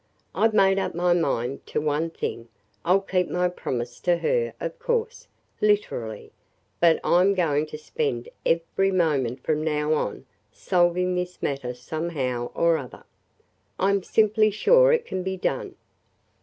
I 've made up my mind to one thing: I 'll keep my promise to her, of course, literally, but I 'm going to spend every moment from now on solving this matter somehow or other. I 'm simply sure it can be done!"